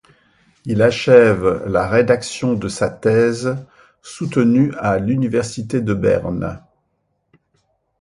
Il achève la rédaction de sa thèse, soutenue à l'université de Berne.